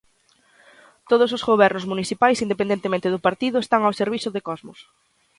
Todos os gobernos municipais, independentemente do partido, están ao servizo de Cosmos.